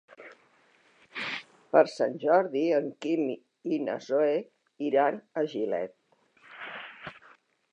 Per Sant Jordi en Quim i na Zoè iran a Gilet.